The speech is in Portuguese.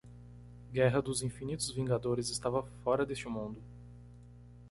Guerra dos Infinitos Vingadores estava fora deste mundo.